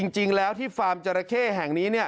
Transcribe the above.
จริงแล้วที่ฟาร์มจราเข้แห่งนี้